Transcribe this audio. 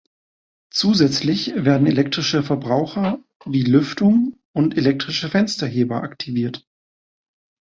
Zusätzlich werden elektrische Verbraucher wie Lüftung und elektrische Fensterheber aktiviert.